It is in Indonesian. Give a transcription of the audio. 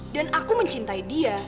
dan aku mencintai dia